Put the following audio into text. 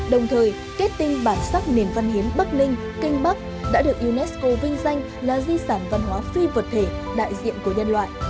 đồng thời kết tinh bản sắc nền văn hiến bắc ninh kinh bắc đã được unesco vinh danh là di sản văn hóa phi vật thể đại diện của nhân loại